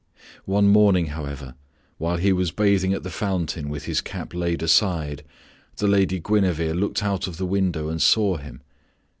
One morning, however, while he was bathing at the fountain with his cap laid aside, the Lady Guinevere looked out of the window and saw him.